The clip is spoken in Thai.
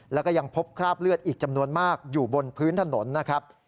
แล้วก็ยังพบคราบเลือดอีกจำนวนมากอยู่บนพื้นถนนนะครับ